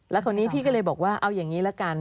แล้วคราวนี้พี่ก็เลยบอกว่าเอาอย่างนี้ละกัน